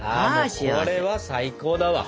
これは最高だわ。